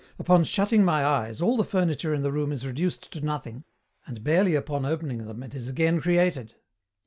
Upon SHUTTING MY EYES all the furniture in the room is reduced to nothing, and barely upon opening them it is again created.